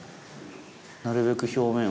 なるべく表面を。